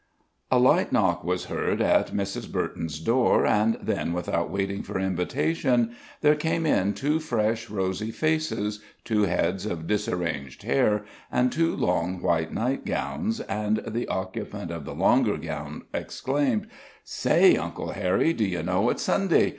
A light knock was heard at Mrs. Burton's door, and then, without waiting for invitation, there came in two fresh, rosy faces, two heads of disarranged hair, and two long white nightgowns, and the occupant of the longer gown exclaimed: "Say, Uncle Harry, do you know it's Sunday?